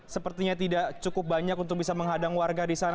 sepertinya tidak cukup banyak untuk bisa menghadang warga di sana